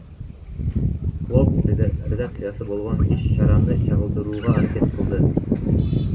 Клооп редакциясы болгон иш чараны чагылдырууга аракет кылды.